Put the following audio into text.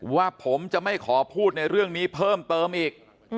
ว่าผมจะไม่ขอพูดในเรื่องนี้เพิ่มเติมอีก